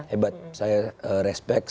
hebat saya respect